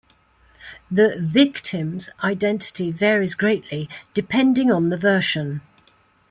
The "victim's" identity varies greatly depending on the version.